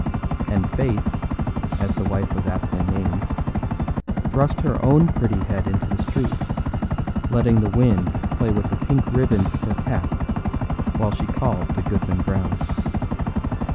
And Faith, as the wife was aptly named, thrust her own pretty head into the street, letting the wind play with the pink ribbons of her cap while she called to Goodman Brown.